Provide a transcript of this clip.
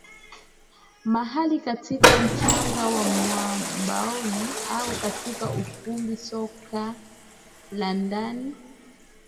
mahali katika mchanga wa mwabaoni au katika ukumbi soka la ndani